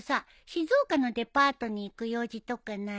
静岡のデパートに行く用事とかない？